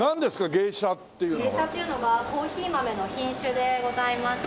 ゲイシャっていうのがコーヒー豆の品種でございまして。